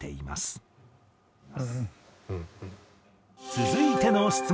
続いての質問。